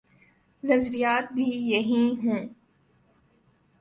نظریات بھی یہی ہوں۔